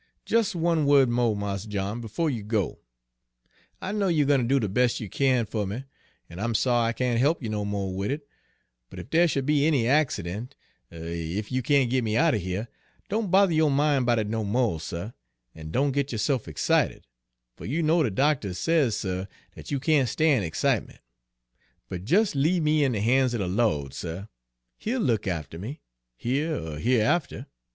"Jes' one wo'd mo', Mars John, befo' you go! I know you're gwine ter do de bes' you kin fer me, an' I'm sorry I can't he'p you no mo' wid it; but ef dere should be any accident, er ef you can't git me out er here, don' bother yo' min' 'bout it no mo', suh, an' don' git yo'se'f ixcited, fer you know de doctuh says, suh, dat you can't stan' ixcitement; but jes' leave me in de han's er de Lawd, suh, He'll look after me, here er hereafter.